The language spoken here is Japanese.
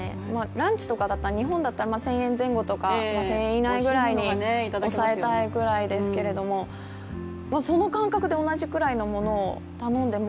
ランチとかだったら日本だったら１０００円前後とか、１０００円以内ぐらいに抑えたいくらいですけれどもその感覚で同じくらいのものを頼んでも